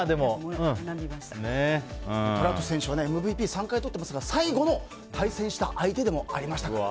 トラウト選手はＭＶＰ３回とってますけど最後に対戦した相手でもありましたからね。